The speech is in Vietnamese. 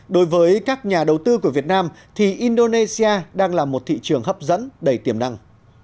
đối với các nhà đầu tư của việt nam thì indonesia đang là một thị trường hấp dẫn đầy tiềm năng